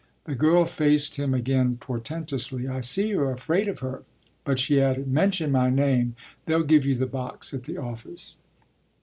The girl faced him again portentously. "I see you're afraid of her." But she added: "Mention my name; they'll give you the box at the office."